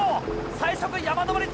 最速山登り